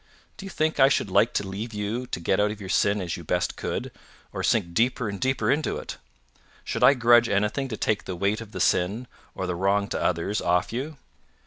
"Do you think I should like to leave you to get out of your sin as you best could, or sink deeper and deeper into it? Should I grudge anything to take the weight of the sin, or the wrong to others, off you?